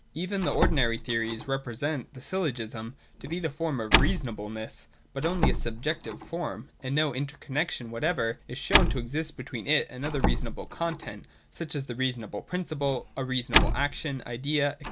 Even the ordinary theories represent the Syllogism to be the form of reasonableness, but only a subjective form ; and no inter connexion whatever is shown to exist between it and any other reasonable content, such as a reasonable principle, a reasonable action, idea, &c.